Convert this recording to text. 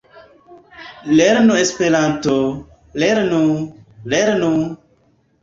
Lernu Esperanton! Lernu! Lernu!